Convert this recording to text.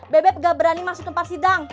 bebek gak berani masuk tempat sidang